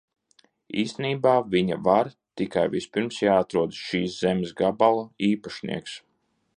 Īstenībā viņa var, tikai vispirms jāatrod šīs zemes gabala īpašnieks.